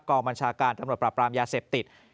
บัญชาการตำรวจปราบรามยาเสพติด